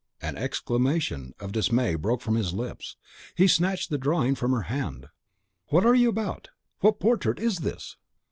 An exclamation of dismay broke from his lips, he snatched the drawing from her hand: "What are you about? what portrait is this?"